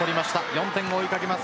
４点を追いかけます。